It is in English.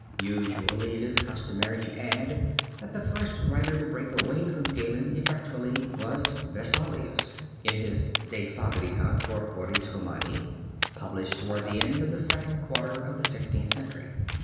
Usually it is customary to add that the first writer to break away from Galen, effectually, was Vesalius, in his De Fabrica Corporis Humani, published toward the end of the second quarter of the Sixteenth Century.